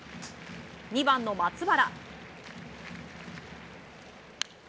２番の松原。